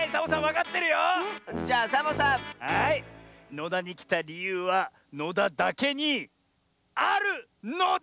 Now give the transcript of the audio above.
野田にきたりゆうは野田だけにあるのだ！